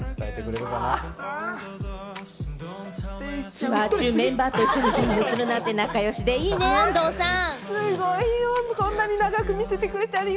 ツアー中、メンバーと一緒にゲームするなんて仲良しでいいね、安藤さん。